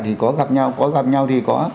thì có gặp nhau có gặp nhau thì có